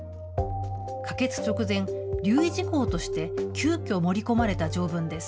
可決直前、留意事項として、急きょ、盛り込まれた条文です。